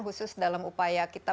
khusus dalam upaya kita